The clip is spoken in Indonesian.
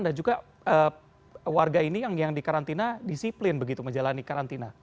dan juga warga ini yang dikarantina disiplin begitu menjalani karantina